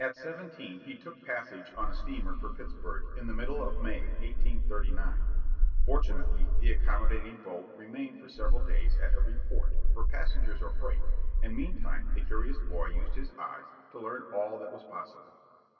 At seventeen he took passage on a steamer for Pittsburg, in the middle of May, 1839. Fortunately the accommodating boat remained for several days at every port, for passengers or freight, and meantime the curious boy used his eyes to learn all that was possible.